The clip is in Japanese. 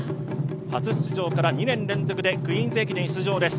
初出場から２年連続でクイーンズ駅伝出場です。